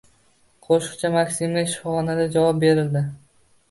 Qo‘shiqchi MakSimga shifoxonadan javob berildi